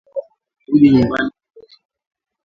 Rudi nyumbani mapema